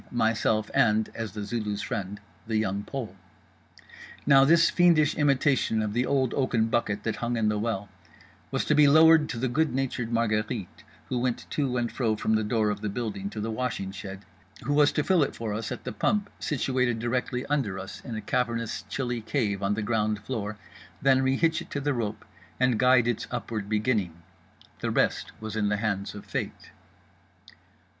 myself, and—as The Zulu's friend—The Young Pole. Now this fiendish imitation of The Old Oaken Bucket That Hung In The Well was to be lowered to the good natured Marguerite (who went to and fro from the door of the building to the washing shed); who was to fill it for us at the pump situated directly under us in a cavernous chilly cave on the ground floor, then rehitch it to the rope, and guide its upward beginning. The rest was in the hands of Fate.